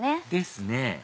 ですねぇ